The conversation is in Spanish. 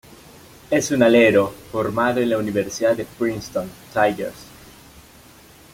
Es un alero formado en la universidad de Princeton Tigers.